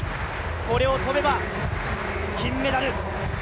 これを跳べば金メダル。